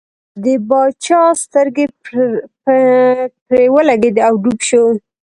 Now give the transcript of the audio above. د باچا سترګې پر ولګېدې او ډوب شو.